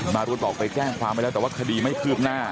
มารุดบอกไปแจ้งความไว้แล้วแต่ว่าคดีไม่คืบหน้า